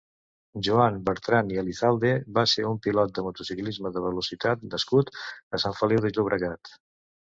Joan Bertrand i Elizalde va ser un pilot de motociclisme de velocitat nascut a Sant Feliu de Llobregat.